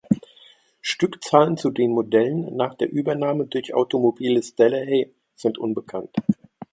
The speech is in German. Stückzahlen zu den Modellen nach der Übernahme durch Automobiles Delahaye sind unbekannt.